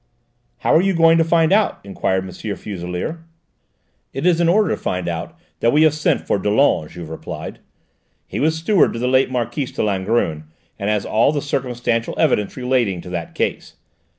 "How are you going to find out?" enquired M. Fuselier. "It is in order to find it out that we have sent for Dollon," Juve replied. "He was steward to the late Marquise de Langrune, and has all the circumstantial evidence relating to that case.